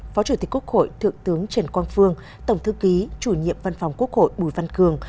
phó chủ tịch quốc hội thượng tướng trần quang phương tổng thư ký chủ nhiệm văn phòng quốc hội bùi văn cường